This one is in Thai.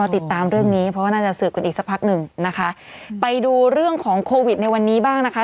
ติดตามเรื่องนี้เพราะว่าน่าจะสืบกันอีกสักพักหนึ่งนะคะไปดูเรื่องของโควิดในวันนี้บ้างนะคะ